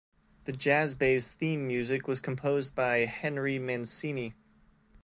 The jazz-based theme music was composed by Henry Mancini.